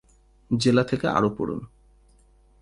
জেলা থেকে আরও পড়ুন